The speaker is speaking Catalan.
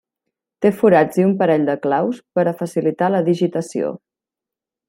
Té forats i un parell de claus per a facilitar la digitació.